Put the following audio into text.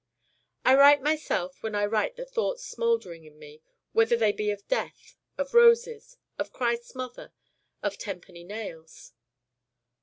I write myself when I write the thoughts smouldering in me whether they be of Death, of Roses, of Christ's Mother, of Ten penny Nails.